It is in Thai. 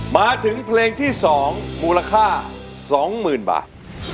มาถึงเพลงที่สองมูลค่าสองหมื่นบาท